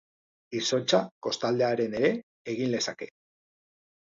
Izotza, kostaldean ere, egin lezake.